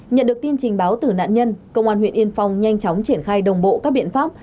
nhận được tin trình báo từ nạn nhân công an huyện yên phong nhanh chóng triển khai đồng bộ các biện pháp